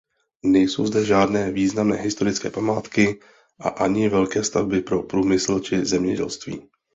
Nejsou zde žádné významné historické památky a ani velké stavby pro průmysl či zemědělství.